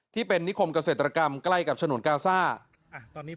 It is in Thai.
ที่เป็นนิคมเกษตรกรรมใกล้กับชนุนกาวซ่าอ่าตอนนี้